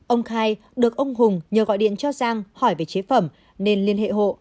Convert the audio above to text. ông khai được ông hùng nhờ gọi điện cho giang hỏi về chế phẩm nên liên hệ hộ